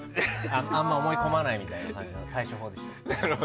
あんまり思い込まないみたいな対処法でした。